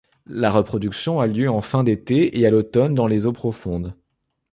La reproduction a lieu en fin d'été et à l'automne dans les eaux profondes.